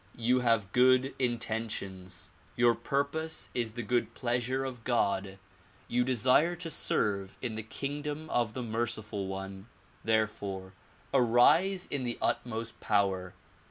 You have good intentions, your purpose is the good pleasure of God, you desire to serve in the kingdom of the merciful One. Therefore arise in the utmost power.